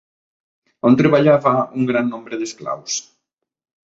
On treballava un gran nombre d'esclaus?